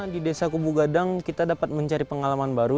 di desa kubu gadang kita dapat mencari pengalaman baru